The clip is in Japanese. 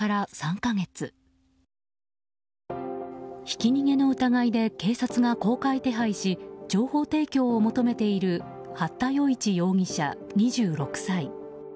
ひき逃げの疑いで警察が公開手配し情報提供を求めている八田与一容疑者、２６歳。